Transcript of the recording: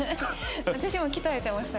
私も鍛えてます